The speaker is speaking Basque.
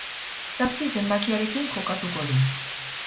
Zazpi zenbakiarekin jokatuko du.